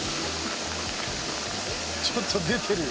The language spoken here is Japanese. ちょっと出てる。